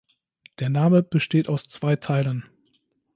Der Name besteht aus zwei Teilen.